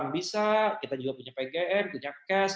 bisa kita juga punya pgm punya cash